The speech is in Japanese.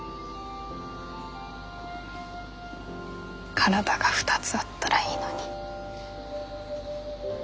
体が２つあったらいいのに。